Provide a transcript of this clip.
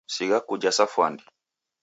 Sigha kuja sa fwandi